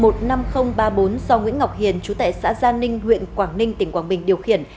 một mươi năm nghìn ba mươi bốn do nguyễn ngọc hiền chú tại xã gia ninh huyện quảng ninh tỉnh quảng bình điều khiển